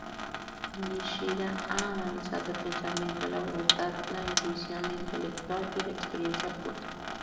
Nishida ha analizado el pensamiento, la voluntad, la intuición intelectual y la experiencia pura.